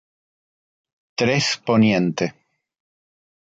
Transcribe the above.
Tres Poniente.